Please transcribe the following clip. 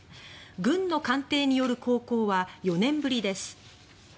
軍の艦艇による航行は４年ぶりです。